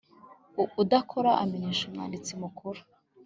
udakora amenyesha umwanditsi Mukuru